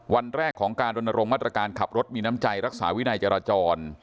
วันแรกของการรณรงคมาตรการขับรถมีน้ำใจรักษาวินัยจราจร